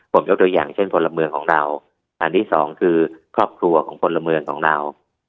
ผมยกตัวอย่างเช่นพลเมืองของเราอันที่สองคือครอบครัวของพลเมืองของเรา